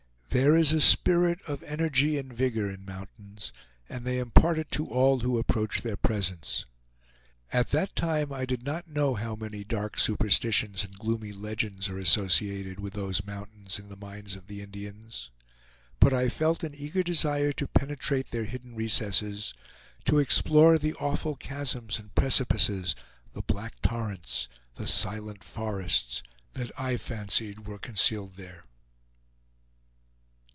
There is a spirit of energy and vigor in mountains, and they impart it to all who approach their presence. At that time I did not know how many dark superstitions and gloomy legends are associated with those mountains in the minds of the Indians, but I felt an eager desire to penetrate their hidden recesses, to explore the awful chasms and precipices, the black torrents, the silent forests, that I fancied were concealed there.